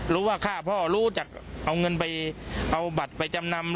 รู้ว่าฆ่าพ่อรู้จักเอาเงินไปเอาบัตรไปจำนำ